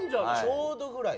ちょうどぐらい？